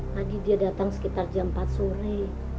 tadi dia datang sekitar jam empat sore